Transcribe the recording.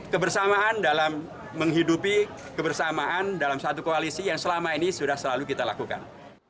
kebersamaan dalam menghidupi kebersamaan dalam satu koalisi yang selama ini sudah selalu kita lakukan